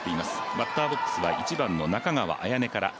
バッターボックスは１番の中川彩音から。